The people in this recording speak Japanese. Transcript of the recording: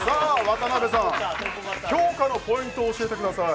評価のポイントを教えてください。